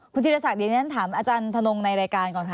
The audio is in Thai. คุณจิรษักเดี๋ยวฉันถามอาจารย์ธนงในรายการก่อนค่ะ